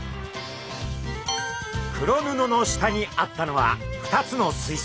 黒布の下にあったのは２つの水槽。